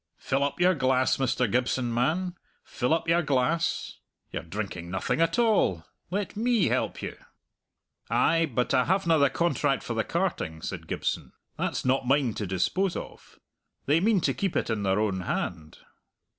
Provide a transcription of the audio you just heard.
"Fill up your glass, Mr. Gibson, man; fill up your glass. You're drinking nothing at all. Let me help you." "Ay, but I havena the contract for the carting," said Gibson. "That's not mine to dispose of. They mean to keep it in their own hand."